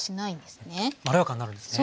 まろやかになるんですね。